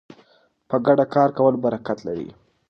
په ګډه کار کول برکت لري.